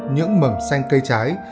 những mẩm xanh cây trái